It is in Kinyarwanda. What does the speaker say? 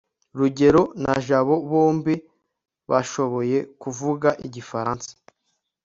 rugeyo na jabo bombi bashoboye kuvuga igifaransa